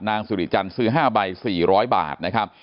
สุริจันทร์ซื้อ๕ใบ๔๐๐บาทนะครับ